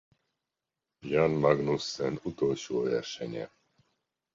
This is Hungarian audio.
Jan Magnussen utolsó versenye.